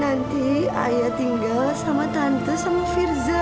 nanti ayah tinggal sama tante sama firza